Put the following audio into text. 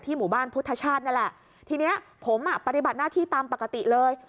หมู่บ้านพุทธชาตินั่นแหละทีเนี้ยผมอ่ะปฏิบัติหน้าที่ตามปกติเลย